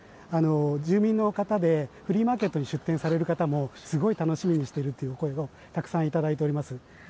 住民の方でフリーマーケットに出店される方もすごい楽しみにしているという声をたくさん頂いております。